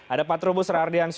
ada pak trubus radian